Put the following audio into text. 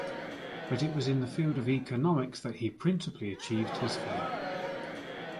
But it was in the field of economics that he principally achieved his fame.